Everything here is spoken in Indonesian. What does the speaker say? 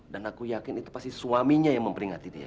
dan aku yakin itu pasti suaminya yang memperingati dia